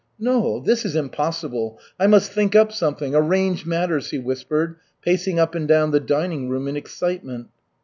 "No, this is impossible. I must think up something, arrange matters," he whispered, pacing up and down the dining room in excitement.